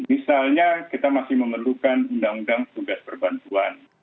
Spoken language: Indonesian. misalnya kita masih memerlukan undang undang tugas perbantuan